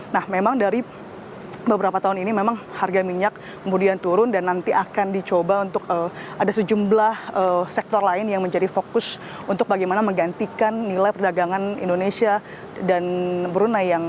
nah memang dari beberapa tahun ini memang harga minyak kemudian turun dan nanti akan dicoba untuk ada sejumlah sektor lain yang menjadi fokus untuk bagaimana menggantikan nilai perdagangan indonesia dan brunei